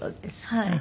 はい。